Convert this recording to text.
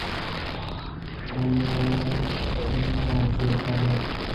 آیاں ناں گوٛشگ شرّاَت